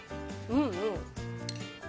うん。